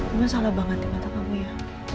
emang salah banget di mata kamu ya